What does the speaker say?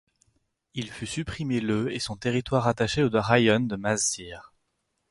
Il fut supprimé le et son territoire rattaché au raïon de Mazyr.